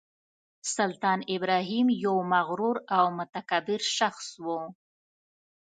سلطان ابراهیم یو مغرور او متکبر شخص و.